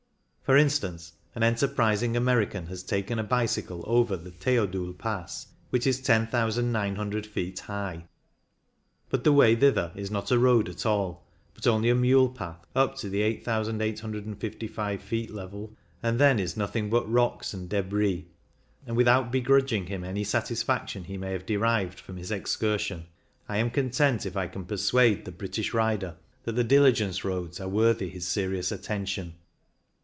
For instance, an enterprising •American has taken a bicycle over the Thdodule Pass, which is 10,900 feet high ; but the way thither is not a road at all, but only a mule path up to the 8,855 ^^^^ level, and then is nothing but rocks and cUbris, and without begrudging him any satisfaction he may have derived from his excursion, I am content if I can persuade the British rider that the diligence roads are worthy his serious attention.